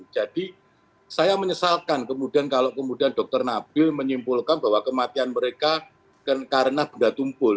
jadi saya menyesalkan kemudian kalau dokter nabil menyimpulkan bahwa kematian mereka karena benda tumpul